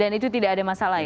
dan itu tidak ada masalah ya